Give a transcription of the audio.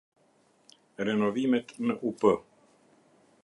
Renovimet në Up